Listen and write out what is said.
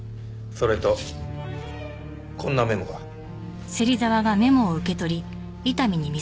それとこんなメモが。